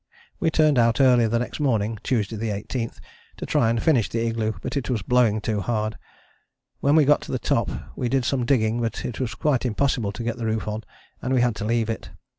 We turned out early the next morning (Tuesday 18th) to try and finish the igloo, but it was blowing too hard. When we got to the top we did some digging but it was quite impossible to get the roof on, and we had to leave it.